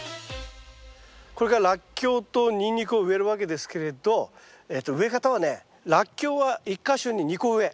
これからラッキョウとニンニクを植えるわけですけれど植え方はねラッキョウは１か所に２個植え。